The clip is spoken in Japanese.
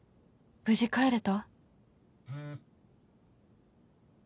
無事帰れた？」。